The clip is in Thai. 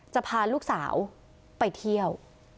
จะพาลูกสาวไปเที่ยว